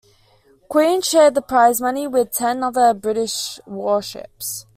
"Queen" shared the prize money with ten other British warships.